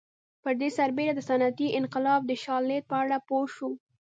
پر دې سربېره د صنعتي انقلاب د شالید په اړه پوه شو